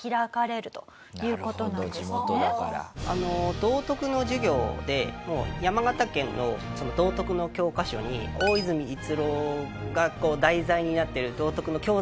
道徳の授業でもう山形県のその道徳の教科書に大泉逸郎が題材になってる道徳の教材があるんですよ。